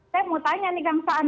saya mau tanya nih kang saan